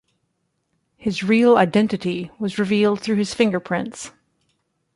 His real identity was revealed through his fingerprints.